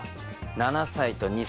７歳と２歳です。